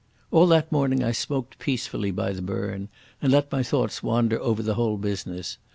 All that morning I smoked peacefully by the burn, and let my thoughts wander over the whole business.